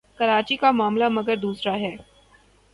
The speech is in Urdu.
کراچی کا معاملہ مگر دوسرا ہے۔